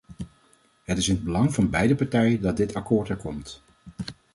Het is in het belang van beide partijen dat dit akkoord er komt.